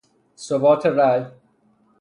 ثبات رأی